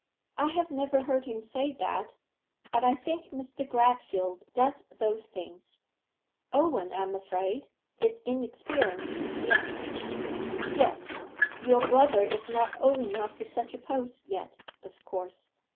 'I have never heard him say that; but I think Mr. Gradfield does those things. Owen, I am afraid, is inexperienced as yet.' 'Yes; your brother is not old enough for such a post yet, of course.